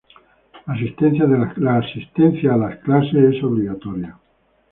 Asistencia de las clases es obligatoria.